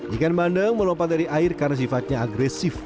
ikan bandeng melompat dari air karena sifatnya agresif